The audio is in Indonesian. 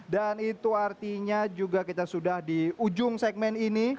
itu artinya juga kita sudah di ujung segmen ini